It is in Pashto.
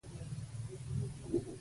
تر هغو چې ګرځیدله، په وښو کې ورکیدله